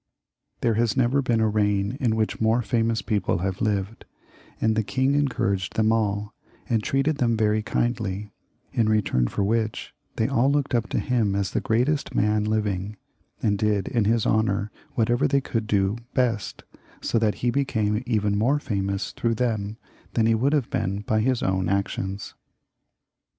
There has never been a reign in which more famous people have lived ; and the king encouraged them all, and treated them very kindly, in return for which they all looked up to him as the greatest man living, and did in his honour whatever, they could do best, so that he became even more famous through them than he would have been by his own actions.